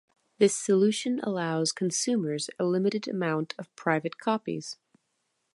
This solution allows consumers a limited amount of private copies.